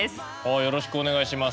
よろしくお願いします。